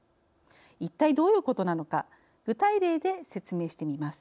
一体どういうことなのか具体例で説明してみます。